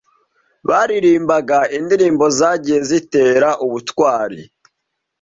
Baririmbaga indirimbo zagiye zitera ubutwari